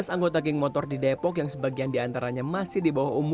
tujuh belas anggota geng motor di depok yang sebagian diantaranya masih di bawah umur